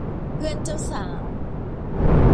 เพื่อนเจ้าสาว